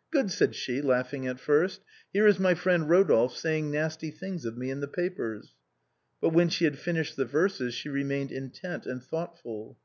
" Good," said she, laughing at first ;" here is my friend Rodolphe saying nasty things of me in the papers." But when she had finished the verses she remained intent and thoughtful.